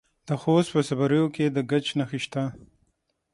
د خوست په صبریو کې د ګچ نښې شته.